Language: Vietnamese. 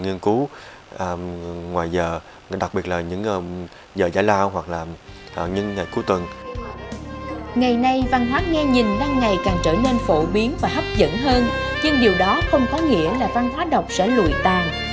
nhưng điều đó không có nghĩa là văn hóa độc sẽ lùi tàn